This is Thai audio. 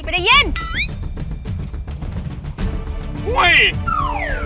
เฮ้ยน้องวินหลงป๊าปลอยอยู่น้อง